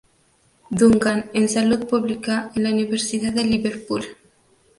Duncan en Salud Pública en la Universidad de Liverpool.